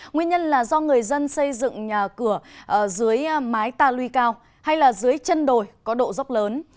nguyên nhân là do người dân xây dựng nhà cửa dưới mái ta lui cao hay là dưới chân đồi có độ dốc lớn